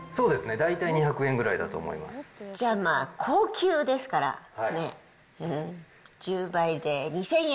大体２００円ぐじゃあ、まあ高級ですからね、１０倍で２０００円。